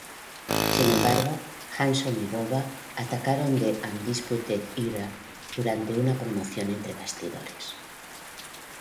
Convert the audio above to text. Sin embargo, Hanson y Rowe atacaron The Undisputed Era durante una promoción entre bastidores.